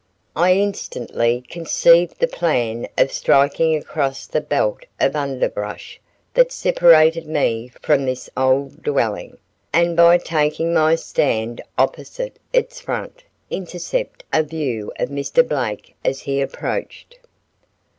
I instantly conceived the plan of striking across the belt of underbrush that separated me from this old dwelling, and by taking my stand opposite its front, intercept a view of Mr. Blake as he approached.